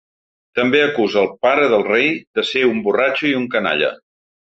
També acusa el pare del rei de ser “un borratxo” i un “canalla”.